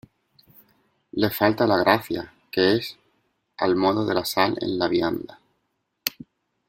les falta la gracia, que es al modo de la sal en la vianda.